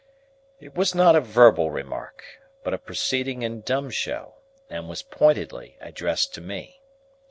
It was not a verbal remark, but a proceeding in dumb show, and was pointedly addressed to me.